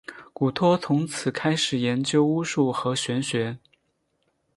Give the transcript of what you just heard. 古托从此开始研究巫术和玄学。